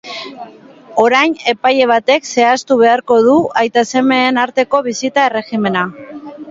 Orain epaile batek zehaztu beharko du aita-semeen arteko bisita erregimena.